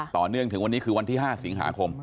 ต่อเนื่องถึงวันนี้คือวันที่๕สิงหาคม